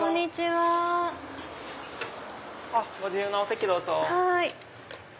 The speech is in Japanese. はい。